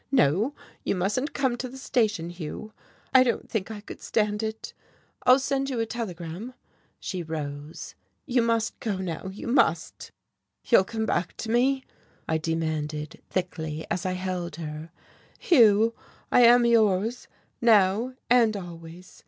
No, you mustn't come to the station, Hugh I don't think I could stand it. I'll send you a telegram." She rose. "You must go now you must." "You'll come back to me?" I demanded thickly, as I held her. "Hugh, I am yours, now and always.